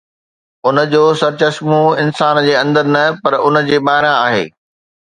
ان جو سرچشمو انسان جي اندر نه، پر ان جي ٻاهران آهي.